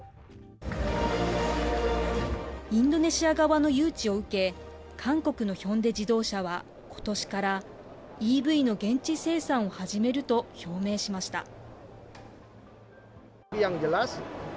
インドネシア側の誘致を受け、韓国のヒョンデ自動車は、ことしから、ＥＶの現地生産を始めると表明しました。